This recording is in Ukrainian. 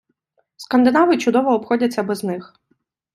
Скандинави чудово обходяться без них.